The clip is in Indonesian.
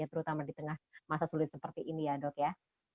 terutama di tengah masa sulit seperti ini ya dok ya